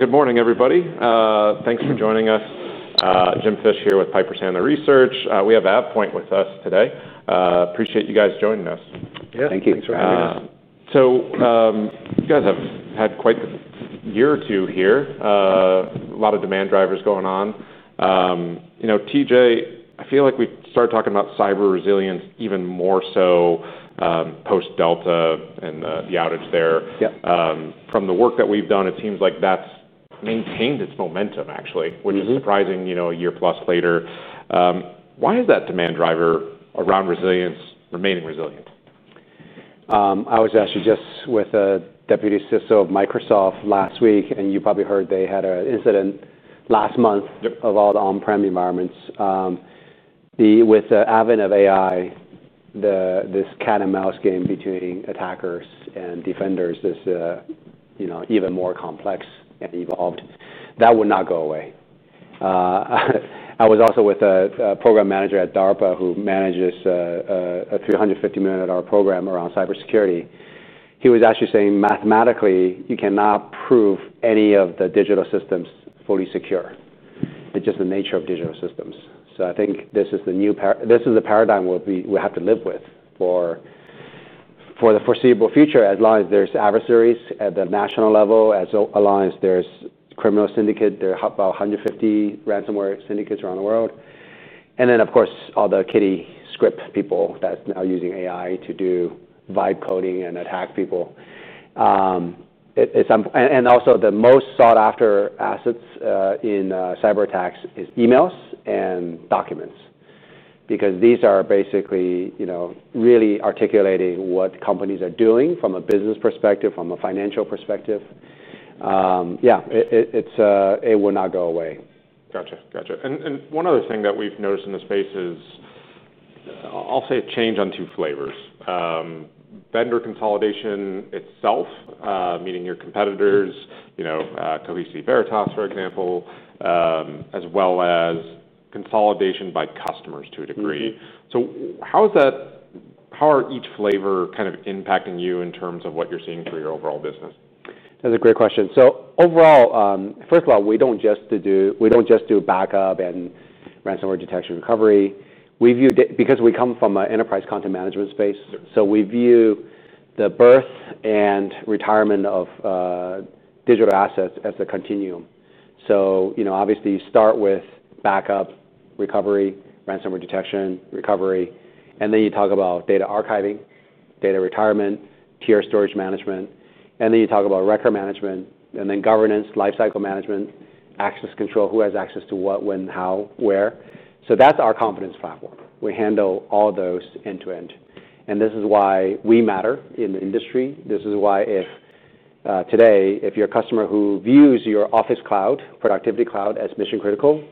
Good morning, everybody. Thanks for joining us. Jim Fish here with Piper Sandler Research. We have AvePoint with us today. Appreciate you guys joining us. Yeah, thank you. You guys have had quite the year or two here. A lot of demand drivers going on. You know, TJ, I feel like we've started talking about cyber resilience even more so, post-Delta and the outage there. Yep. From the work that we've done, it seems like that's maintained its momentum, actually, which is surprising, you know, a year plus later. Why is that demand driver around resilience remaining resilient? I was actually just with a Deputy CISO of Microsoft last week, and you probably heard they had an incident last month of all the on-prem environments. With the advent of AI, this cat-and-mouse game between attackers and defenders is even more complex and evolved. That will not go away. I was also with a Program Manager at DARPA who manages a $350 million program around cybersecurity. He was actually saying mathematically, you cannot prove any of the digital systems fully secure. It's just the nature of digital systems. I think this is the new paradigm we have to live with for the foreseeable future, as long as there's adversaries at the national level, as long as there's criminal syndicates. There are about 150 ransomware syndicates around the world. Of course, all the kiddie script people that are now using AI to do vibe coding and attack people. Also, the most sought-after assets in cyber attacks are emails and documents, because these are basically really articulating what companies are doing from a business perspective, from a financial perspective. Yeah, it will not go away. Gotcha, gotcha. One other thing that we've noticed in the space is, I'll say, a change on two flavors. Vendor consolidation itself, meaning your competitors, you know, Cohesity, Veritas, for example, as well as consolidation by customers to a degree. How is that, how are each flavor kind of impacting you in terms of what you're seeing for your overall business? That's a great question. Overall, first of all, we don't just do backup and ransomware detection recovery. We view it because we come from an enterprise content management space. We view the birth and retirement of digital assets as a continuum. Obviously, you start with backup, recovery, ransomware detection, recovery. Then you talk about data archiving, data retirement, tier storage management. Then you talk about record management, and then governance, lifecycle management, access control, who has access to what, when, how, where. That's our Confidence Platform. We handle all of those end-to-end. This is why we matter in the industry. If today, if you're a customer who views your office cloud, productivity cloud, as mission critical,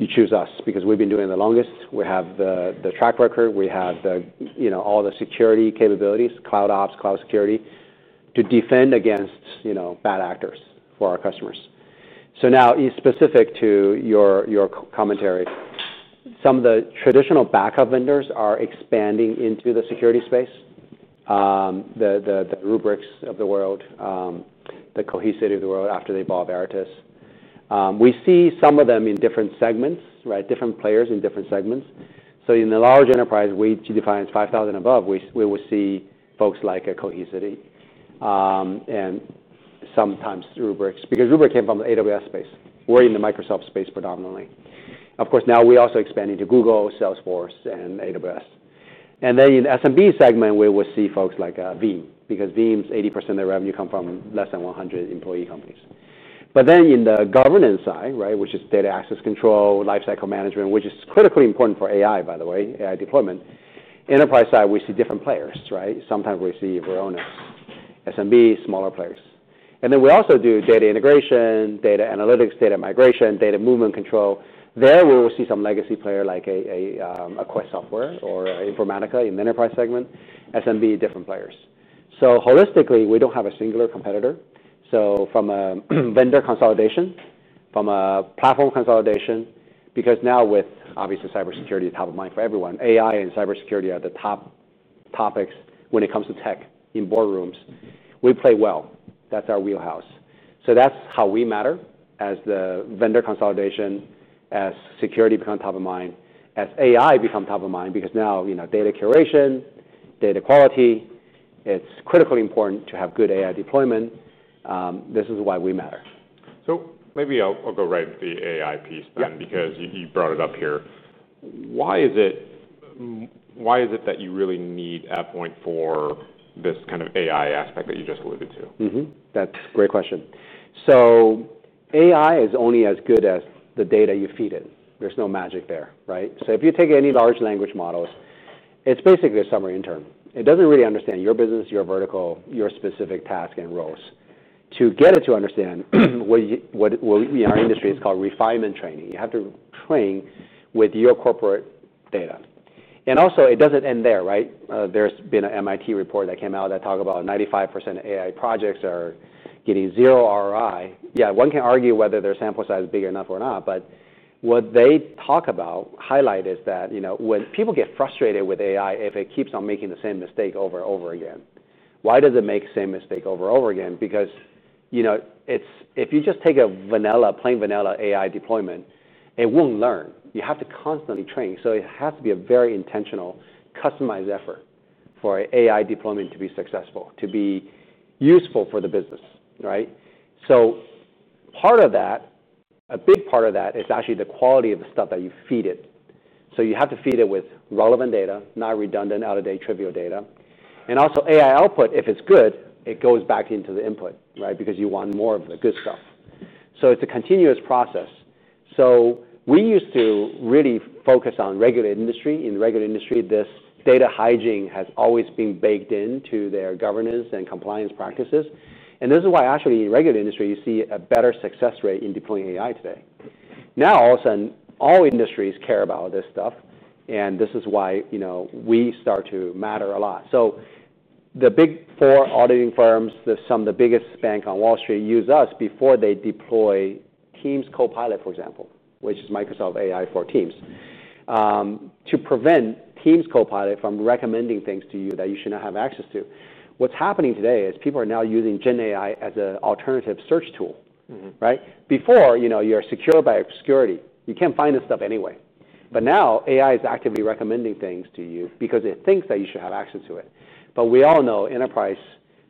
you choose us because we've been doing it the longest. We have the track record. We have all the security capabilities, cloud ops, cloud security, to defend against bad actors for our customers. Now, specific to your commentary, some of the traditional backup vendors are expanding into the security space. The Rubriks of the world, the Cohesity of the world, after they bought Veritas. We see some of them in different segments, right? Different players in different segments. In the large enterprise, which you define as 5,000 and above, we will see folks like Cohesity and sometimes Rubrik because Rubrik came from the AWS space. We're in the Microsoft space predominantly. Of course, now we also expand into Google, Salesforce, and AWS. In the SMB segment, we will see folks like Veeam because Veeam's 80% of their revenue comes from less than 100 employee companies. In the governance side, which is data access control, lifecycle management, which is critically important for AI, by the way, AI deployment, enterprise side, we see different players, right? Sometimes we see Varonis, SMB, smaller players. We also do data integration, data analytics, data migration, data movement control. There we will see some legacy players like a Quest Software or Informatica in the enterprise segment, SMB, different players. Holistically, we don't have a singular competitor. From a vendor consolidation, from a platform consolidation, because now with obviously cybersecurity top of mind for everyone, AI and cybersecurity are the top topics when it comes to tech in boardrooms. We play well. That's our wheelhouse. That's how we matter as the vendor consolidation, as security becomes top of mind, as AI becomes top of mind because now, you know, data curation, data quality, it's critically important to have good AI deployment. This is why we matter. Maybe I'll go right to the AI piece then because you brought it up here. Why is it that you really need AvePoint for this kind of AI aspect that you just alluded to? That's a great question. AI is only as good as the data you feed it. There's no magic there, right? If you take any large language models, it's basically a summary intern. It doesn't really understand your business, your vertical, your specific task and roles. To get it to understand what our industry is called refinement training, you have to train with your corporate data. It doesn't end there, right? There has been an MIT report that came out that talked about 95% of AI projects are getting zero ROI. One can argue whether their sample size is big enough or not, but what they highlight is that when people get frustrated with AI, if it keeps on making the same mistake over and over again, why does it make the same mistake over and over again? If you just take a plain vanilla AI deployment, it won't learn. You have to constantly train. It has to be a very intentional, customized effort for AI deployment to be successful, to be useful for the business, right? Part of that, a big part of that, is actually the quality of the stuff that you feed it. You have to feed it with relevant data, not redundant, out-of-date, trivial data. AI output, if it's good, goes back into the input, right? You want more of the good stuff. It's a continuous process. We used to really focus on regulated industry. In regulated industry, this data hygiene has always been baked into their governance and compliance practices. This is why, actually, in regulated industry, you see a better success rate in deploying AI today. Now, all of a sudden, all industries care about this stuff. This is why we start to matter a lot. The big four auditing firms, some of the biggest banks on Wall Street, use us before they deploy Teams Copilot, for example, which is Microsoft AI for Teams, to prevent Teams Copilot from recommending things to you that you should not have access to. What's happening today is people are now using GenAI as an alternative search tool, right? Before, you were secured by security. You can't find this stuff anyway. Now, AI is actively recommending things to you because it thinks that you should have access to it. We all know enterprise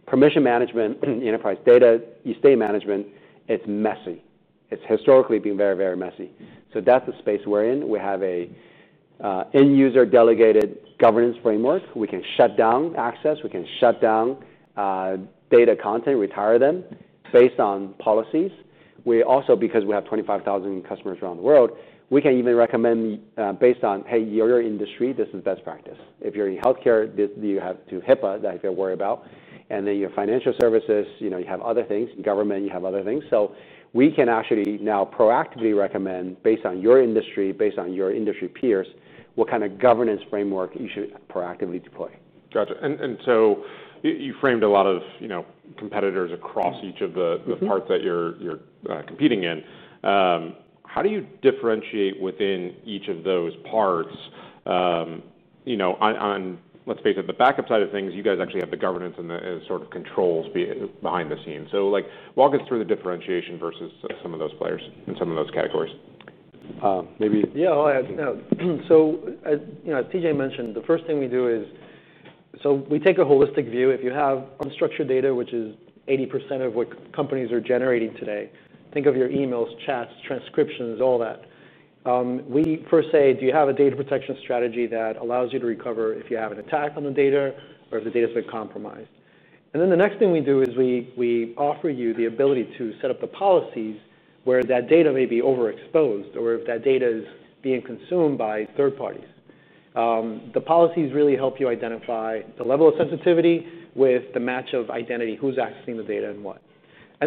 permission management, enterprise data estate management, it's messy. It's historically been very, very messy. That's the space we're in. We have an end-user delegated governance framework. We can shut down access. We can shut down data content and retire them based on policies. We also, because we have 25,000 customers around the world, can even recommend based on, hey, your industry, this is best practice. If you're in healthcare, you have HIPAA that you've got to worry about. If you're in financial services, you know, you have other things. Government, you have other things. We can actually now proactively recommend based on your industry, based on your industry peers, what kind of governance framework you should proactively deploy. Gotcha. You framed a lot of competitors across each of the parts that you're competing in. How do you differentiate within each of those parts? On, let's face it, the backup side of things, you guys actually have the governance and the sort of controls behind the scenes. Walk us through the differentiation versus some of those players in some of those categories. Maybe, yeah, I'll add, TJ mentioned the first thing we do is, we take a holistic view. If you have unstructured data, which is 80% of what companies are generating today, think of your emails, chats, transcriptions, all that. We first say, do you have a data protection strategy that allows you to recover if you have an attack on the data or if the data's been compromised? The next thing we do is we offer you the ability to set up the policies where that data may be overexposed or if that data is being consumed by third parties. The policies really help you identify the level of sensitivity with the match of identity, who's accessing the data and what.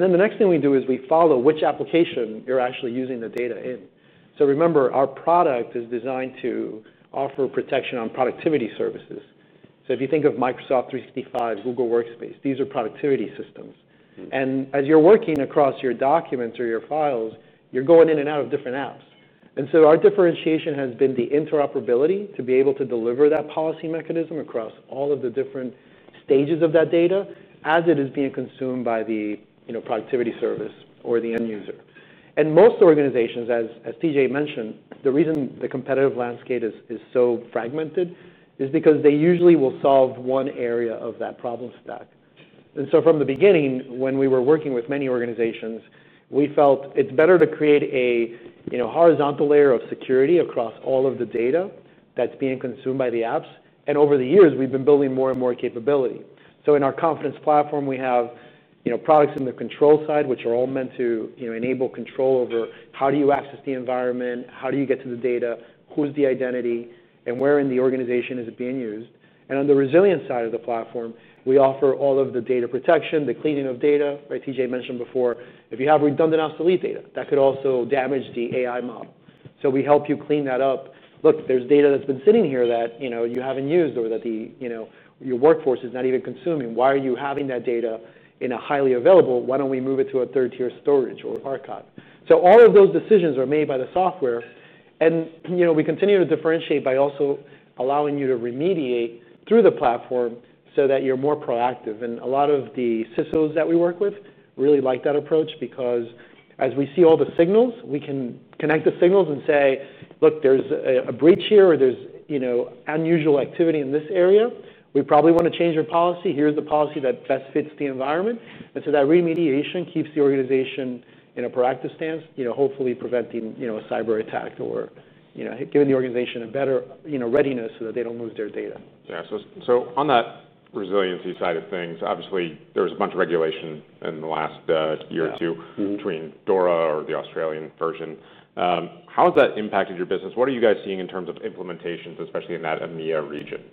The next thing we do is we follow which application you're actually using the data in. Remember, our product is designed to offer protection on productivity services. If you think of Microsoft 365, Google Workspace, these are productivity systems. As you're working across your documents or your files, you're going in and out of different apps. Our differentiation has been the interoperability to be able to deliver that policy mechanism across all of the different stages of that data as it is being consumed by the productivity service or the end user. Most organizations, as TJ mentioned, the reason the competitive landscape is so fragmented is because they usually will solve one area of that problem stack. From the beginning, when we were working with many organizations, we felt it's better to create a horizontal layer of security across all of the data that's being consumed by the apps. Over the years, we've been building more and more capability. In our AvePoint Confidence Platform, we have products in the control side, which are all meant to enable control over how do you access the environment, how do you get to the data, who's the identity, and where in the organization is it being used. On the resilience side of the platform, we offer all of the data protection, the cleaning of data, right? TJ mentioned before, if you have redundant obsolete data, that could also damage the AI model. We help you clean that up. Look, there's data that's been sitting here that you haven't used or that your workforce is not even consuming. Why are you having that data in a highly available? Why don't we move it to a third-tier storage or archive? All of those decisions are made by the software. We continue to differentiate by also allowing you to remediate through the platform so that you're more proactive. A lot of the CISOs that we work with really like that approach because as we see all the signals, we can connect the signals and say, look, there's a breach here or there's unusual activity in this area. We probably want to change your policy. Here's the policy that best fits the environment. That remediation keeps the organization in a proactive stance, hopefully preventing a cyber attack or giving the organization a better readiness so that they don't lose their data. Yeah, on that resiliency side of things, obviously, there was a bunch of regulation in the last year or two between DORA or the Australian version. How has that impacted your business? What are you guys seeing in terms of implementations, especially in that EMEA region?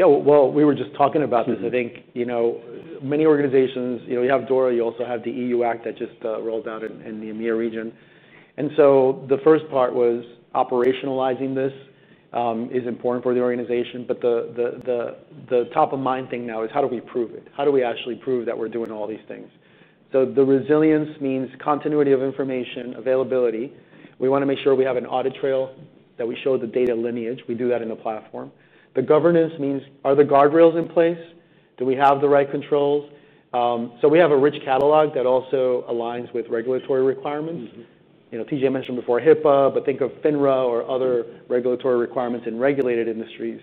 Yeah, we were just talking about this. I think, you know, many organizations, you know, you have DORA, you also have the EU Act that just rolled out in the EMEA region. The first part was operationalizing this is important for the organization. The top-of-mind thing now is how do we prove it? How do we actually prove that we're doing all these things? The resilience means continuity of information, availability. We want to make sure we have an audit trail that we show the data lineage. We do that in the platform. The governance means are the guardrails in place? Do we have the right controls? We have a rich catalog that also aligns with regulatory requirements. You know, TJ mentioned before HIPAA, but think of FINRA or other regulatory requirements in regulated industries.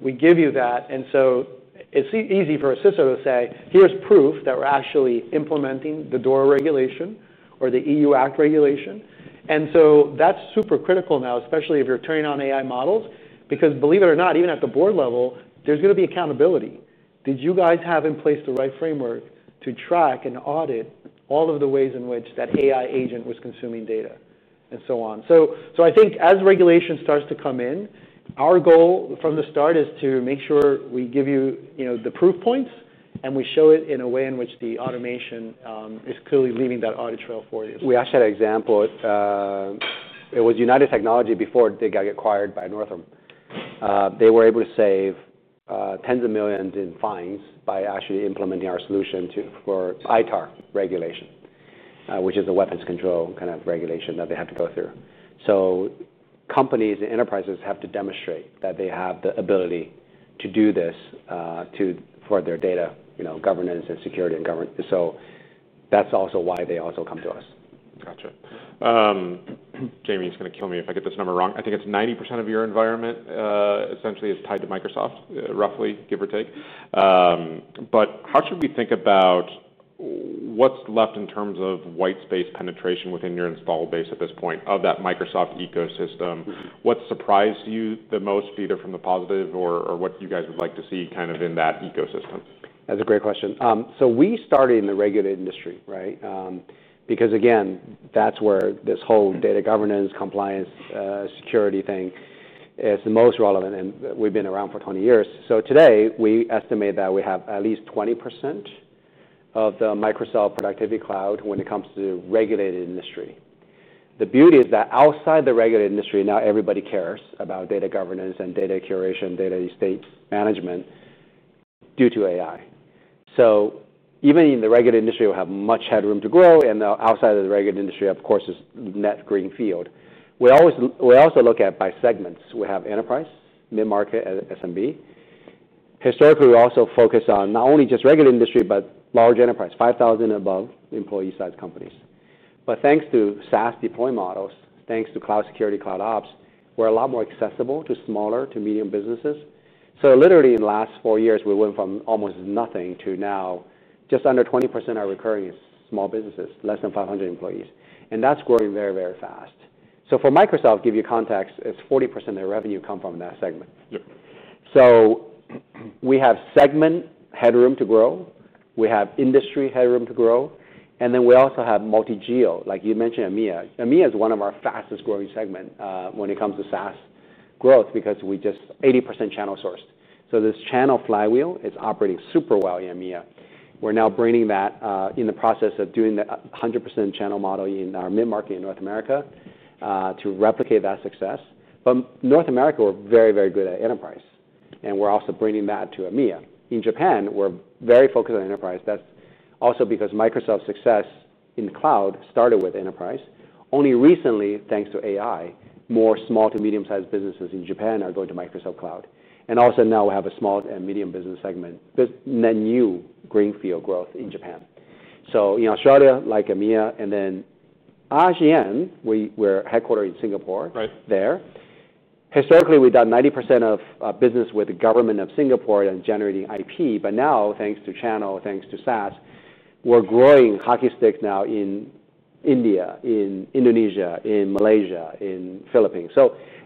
We give you that. It's easy for a CISO to say, here's proof that we're actually implementing the DORA regulation or the EU Act regulation. That's super critical now, especially if you're turning on AI models, because believe it or not, even at the board level, there's going to be accountability. Did you guys have in place the right framework to track and audit all of the ways in which that AI agent was consuming data and so on? I think as regulation starts to come in, our goal from the start is to make sure we give you the proof points and we show it in a way in which the automation is clearly leaving that audit trail for you. We actually had an example. It was United Technology before they got acquired by Northam. They were able to save tens of millions in fines by actually implementing our solution for ITAR regulation, which is a weapons control kind of regulation that they have to go through. Companies and enterprises have to demonstrate that they have the ability to do this for their data, you know, governance and security and governance. That's also why they also come to us. Gotcha. Jamie's going to kill me if I get this number wrong. I think it's 90% of your environment, essentially, is tied to Microsoft, roughly, give or take. How should we think about what's left in terms of white space penetration within your install base at this point of that Microsoft ecosystem? What surprised you the most, either from the positive or what you guys would like to see in that ecosystem? That's a great question. We started in the regulated industry, right? Because again, that's where this whole data governance, compliance, security thing is the most relevant. We've been around for 20 years. Today, we estimate that we have at least 20% of the Microsoft productivity cloud when it comes to the regulated industry. The beauty is that outside the regulated industry, now everybody cares about data governance and data curation, data estate management due to AI. Even in the regulated industry, we have much headroom to grow. Outside of the regulated industry, of course, is the net green field. We also look at by segments. We have enterprise, mid-market, and SMB. Historically, we also focus on not only just regulated industry, but large enterprise, 5,000 and above employee-sized companies. Thanks to SaaS deployment models, thanks to cloud security, cloud ops, we're a lot more accessible to smaller to medium businesses. Literally in the last four years, we went from almost nothing to now just under 20% of our recurring small businesses, less than 500 employees. That's growing very, very fast. For Microsoft, to give you context, it's 40% of the revenue comes from that segment. Yep. We have segment headroom to grow. We have industry headroom to grow. We also have multi-geo, like you mentioned EMEA. EMEA is one of our fastest growing segments when it comes to SaaS growth because we are just 80% channel source. This channel flywheel is operating super well in EMEA. We're now bringing that in the process of doing the 100% channel model in our mid-market in North America to replicate that success. North America, we're very, very good at enterprise. We're also bringing that to EMEA. In Japan, we're very focused on enterprise. That's also because Microsoft's success in the cloud started with enterprise. Only recently, thanks to AI, more small to medium-sized businesses in Japan are going to Microsoft Cloud. Now we have a small and medium business segment, then new greenfield growth in Japan. In Australia, like EMEA, and then APAC, we're headquartered in Singapore. Right. Historically, we've done 90% of business with the government of Singapore and generating IP. Now, thanks to channel, thanks to SaaS, we're growing hockey sticks now in India, in Indonesia, in Malaysia, in the Philippines.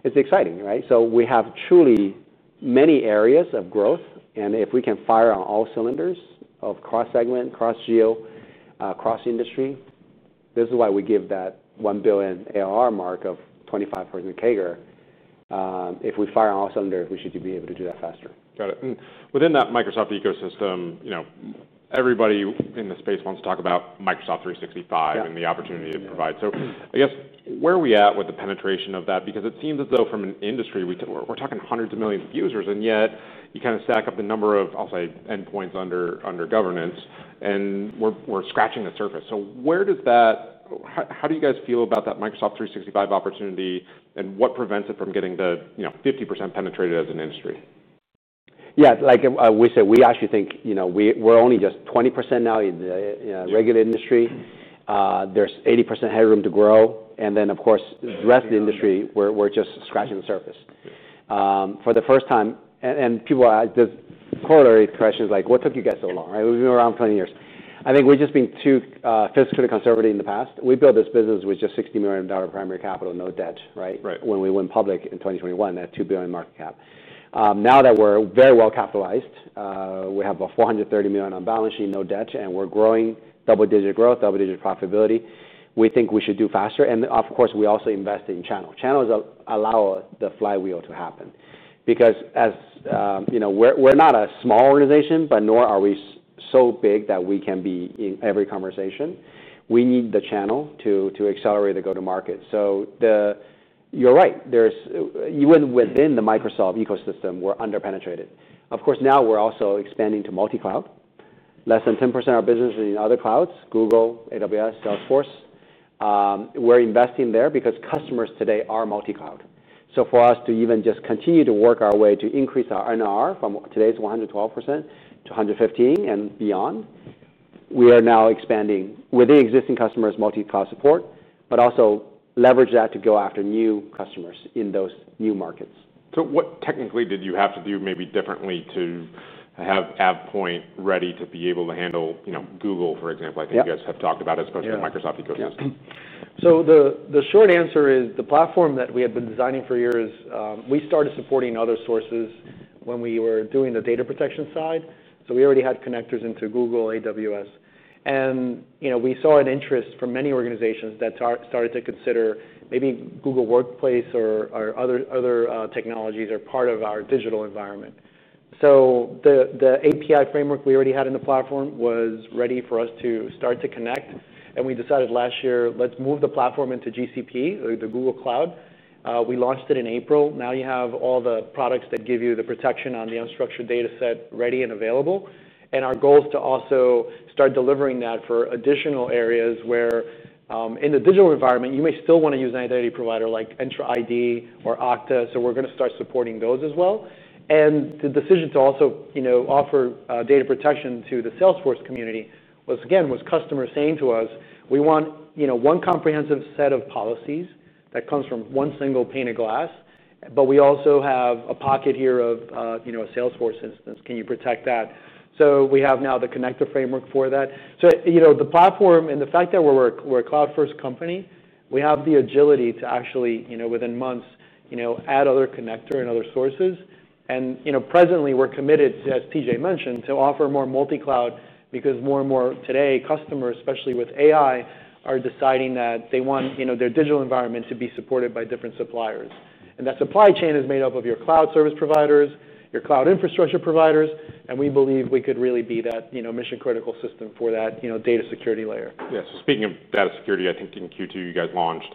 It's exciting, right? We have truly many areas of growth. If we can fire on all cylinders of cross-segment, cross-geo, cross-industry, this is why we give that $1 billion ARR mark of 25% CAGR. If we fire on all cylinders, we should be able to do that faster. Got it. Within that Microsoft ecosystem, you know, everybody in the space wants to talk about Microsoft 365 and the opportunity it provides. I guess where are we at with the penetration of that? It seems as though from an industry, we're talking hundreds of millions of users, yet you kind of stack up the number of, I'll say, endpoints under governance and we're scratching the surface. Where does that, how do you guys feel about that Microsoft 365 opportunity? What prevents it from getting to 50% penetrated as an industry? Yeah, like we said, we actually think, you know, we're only just 20% now in the regulated industry. There's 80% headroom to grow. Of course, the rest of the industry, we're just scratching the surface. For the first time, people just correlate questions like, what took you guys so long, right? We've been around 20 years. I think we've just been too fiscally conservative in the past. We built this business with just $60 million primary capital, no debt, right? Right. When we went public in 2021 at $2 billion market cap, now that we're very well capitalized, we have about $430 million on balance sheet, no debt, and we're growing double-digit growth, double-digit profitability. We think we should do faster. We also invested in channel. Channel allows the flywheel to happen because, as you know, we're not a small organization, but nor are we so big that we can be in every conversation. We need the channel to accelerate the go-to-market. You're right, even within the Microsoft ecosystem, we're underpenetrated. Now we're also expanding to multi-cloud. Less than 10% of our business is in other clouds: Google, AWS, Salesforce. We're investing there because customers today are multi-cloud. For us to even just continue to work our way to increase our ARR from today's 112% to 115% and beyond, we are now expanding with the existing customers' multi-cloud support, but also leverage that to go after new customers in those new markets. What technically did you have to do maybe differently to have AvePoint ready to be able to handle, you know, Google, for example? I think you guys have talked about it, especially the Microsoft ecosystem. The short answer is the platform that we had been designing for years, we started supporting other sources when we were doing the data protection side. We already had connectors into Google, AWS. We saw an interest from many organizations that started to consider maybe Google Workspace or other technologies as part of our digital environment. The API framework we already had in the platform was ready for us to start to connect. We decided last year, let's move the platform into GCP, the Google Cloud. We launched it in April. Now you have all the products that give you the protection on the unstructured data set ready and available. Our goal is to also start delivering that for additional areas where in the digital environment, you may still want to use an identity provider like Entra ID or Okta. We're going to start supporting those as well. The decision to also offer data protection to the Salesforce community was, again, customers saying to us, we want one comprehensive set of policies that comes from one single pane of glass. We also have a pocket here of a Salesforce instance. Can you protect that? We have now the connector framework for that. The platform and the fact that we're a cloud-first company, we have the agility to actually, within months, add other connectors and other sources. Presently, we're committed, as TJ mentioned, to offer more multi-cloud because more and more today, customers, especially with AI, are deciding that they want their digital environment to be supported by different suppliers. That supply chain is made up of your cloud service providers, your cloud infrastructure providers. We believe we could really be that mission-critical system for that data security layer. Yeah, so speaking of data security, I think in Q2, you guys launched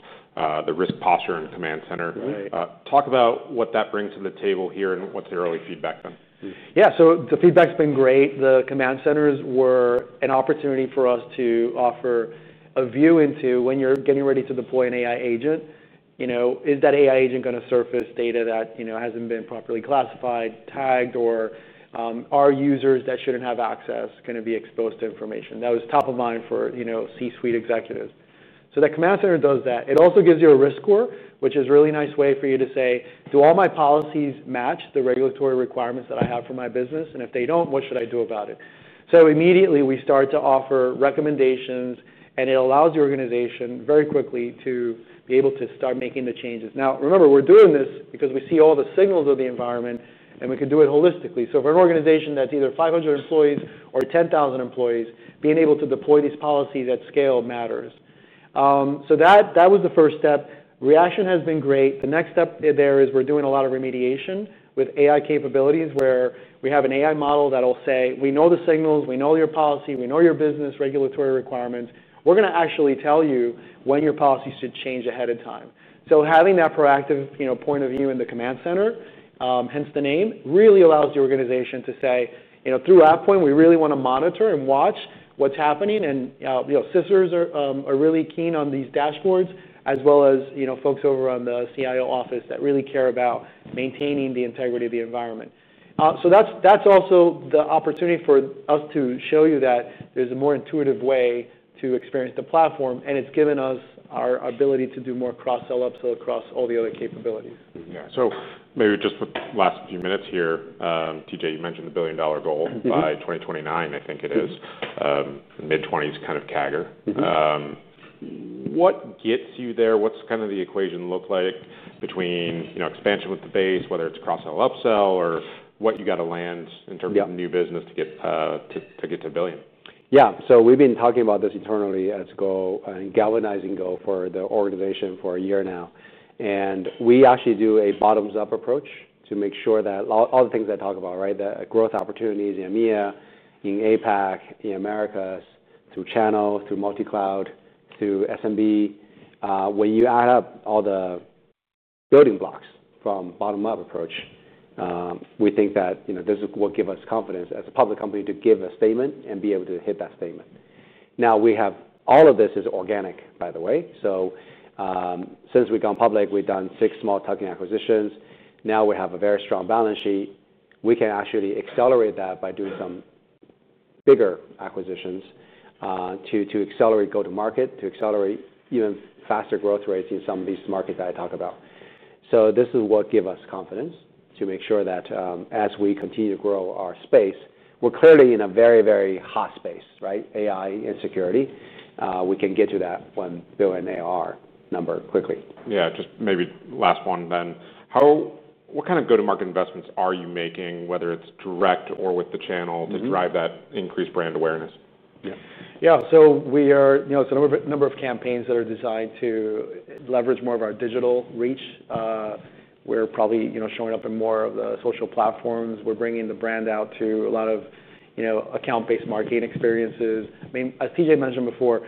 the Risk Posture and Command Center. Right. Talk about what that brings to the table here, and what's the early feedback been? Yeah, so the feedback's been great. The Command Center was an opportunity for us to offer a view into when you're getting ready to deploy an AI agent. You know, is that AI agent going to surface data that, you know, hasn't been properly classified, tagged, or are users that shouldn't have access going to be exposed to information? That was top of mind for, you know, C-suite executives. That Command Center does that. It also gives you a risk score, which is a really nice way for you to say, do all my policies match the regulatory requirements that I have for my business? If they don't, what should I do about it? Immediately, we start to offer recommendations. It allows the organization very quickly to be able to start making the changes. Now, remember, we're doing this because we see all the signals of the environment, and we can do it holistically. For an organization that's either 500 employees or 10,000 employees, being able to deploy these policies at scale matters. That was the first step. Reaction has been great. The next step there is we're doing a lot of remediation with AI capabilities where we have an AI model that will say, we know the signals, we know your policy, we know your business regulatory requirements. We're going to actually tell you when your policy should change ahead of time. Having that proactive, you know, point of view in the Command Center, hence the name, really allows the organization to say, you know, through AvePoint, we really want to monitor and watch what's happening. CISOs are really keen on these dashboards, as well as, you know, folks over on the CIO office that really care about maintaining the integrity of the environment. That's also the opportunity for us to show you that there's a more intuitive way to experience the platform. It's given us our ability to do more cross-sell-ups across all the other capabilities. Yeah, so maybe just the last few minutes here, TJ, you mentioned the billion-dollar goal by 2029, I think it is. The mid-20s kind of CAGR. What gets you there? What's kind of the equation look like between, you know, expansion with the base, whether it's cross-sell or upsell, or what you got to land in terms of new business to get to a billion? Yeah, we've been talking about this internally as GO and galvanizing GO for the organization for a year now. We actually do a bottoms-up approach to make sure that all the things I talk about, the growth opportunities in EMEA, in APAC, in Americas, through channel, through multi-cloud, through SMB. When you add up all the building blocks from a bottom-up approach, we think that this is what gives us confidence as a public company to give a statement and be able to hit that statement. All of this is organic, by the way. Since we've gone public, we've done six small tuck-in acquisitions. Now we have a very strong balance sheet. We can actually accelerate that by doing some bigger acquisitions to accelerate go-to-market, to accelerate even faster growth rates in some of these markets that I talk about. This is what gives us confidence to make sure that as we continue to grow our space, we're clearly in a very, very hot space, right? AI and security. We can get to that $1 billion ARR number quickly. Maybe last one then. How, what kind of go-to-market investments are you making, whether it's direct or with the channel, to drive that increased brand awareness? Yeah, it's a number of campaigns that are designed to leverage more of our digital reach. We're probably showing up in more of the social platforms. We're bringing the brand out to a lot of account-based marketing experiences. I mean, as TJ mentioned before,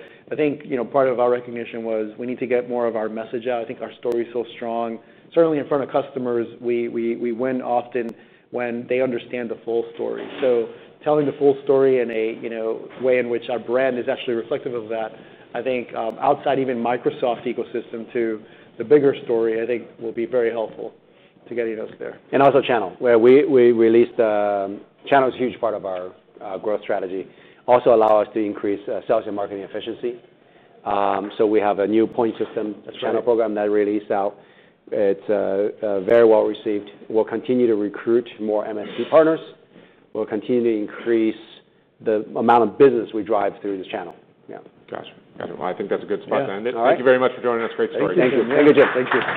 part of our recognition was we need to get more of our message out. I think our story is so strong. Certainly, in front of customers, we win often when they understand the full story. Telling the full story in a way in which our brand is actually reflective of that, I think outside even Microsoft ecosystem to the bigger story, will be very helpful to getting us there. Also, channel. We realize the channel is a huge part of our growth strategy. It also allows us to increase sales and marketing efficiency. We have a new point system, the channel program that released out. It's very well received. We'll continue to recruit more MFD partners. We'll continue to increase the amount of business we drive through this channel. Gotcha. Gotcha. I think that's a good spot to end it. Thank you very much for joining us. Great story. Thank you. Have a good chance, TJ.